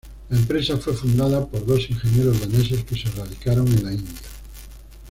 La empresa fue fundada por dos ingenieros daneses que se radicaron en la India.